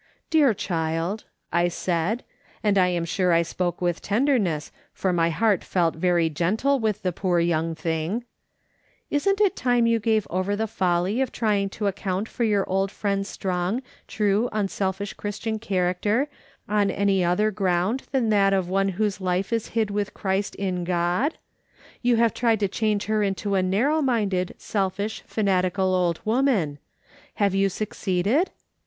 287 " Dear child," I said, and I am sure I spoke with tenderness, for my heart felt very gentle with the ])oor young thing ;" isn't it time you gave over the folly of trying to account for your old friend's strong, true, unselfish Christian character on any other ground than that of one whose life is hid with Christ in God ? You have tried to change her into a narrow minded, selfish, fanatical old woman. Have you succeeded